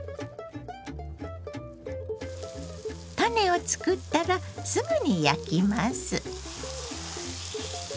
タネを作ったらすぐに焼きます。